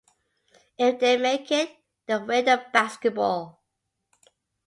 If they make it, they win a basketball.